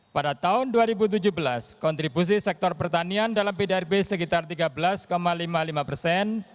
pada tahun dua ribu tujuh belas kontribusi sektor pertanian dalam pdrb sekitar tiga belas lima puluh lima persen